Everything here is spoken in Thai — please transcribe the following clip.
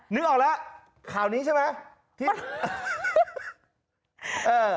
นึกออกแล้วข่าวนี้ใช่ไหม